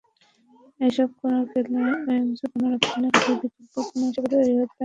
এসব করা গেলে এসএমই পণ্যই রপ্তানি খাতের বিকল্প পণ্য হিসেবে তৈরি হবে।